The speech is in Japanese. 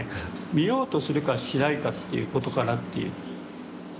見ようとするかしないかということかなという。